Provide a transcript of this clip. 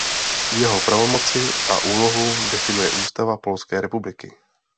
Jeho pravomoci a úlohu definuje Ústava Polské republiky.